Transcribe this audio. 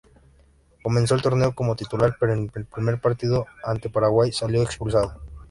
Comenzó el torneo como titular pero en el primer partido ante Paraguay salió expulsado.